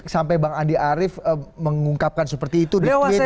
sampai bang andi arief mengungkapkan seperti itu